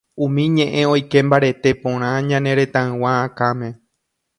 umi ñe'ẽ oike mbarete porã ñane retãygua akãme.